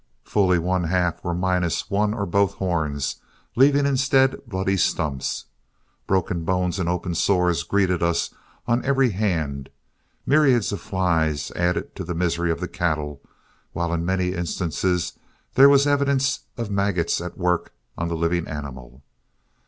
Fully one half were minus one or both horns, leaving instead bloody stumps. Broken bones and open sores greeted us on every hand; myriads of flies added to the misery of the cattle, while in many instances there was evidence of maggots at work on the living animal.